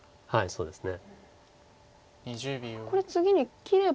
そうですね。